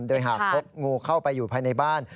โดยหากพบงูเข้าไปอยู่ภายในบ้าน